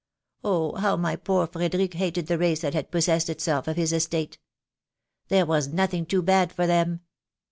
Oh, how my poor Frederick hated the race that had possessed it self of his estate. There was nothing too bad for them.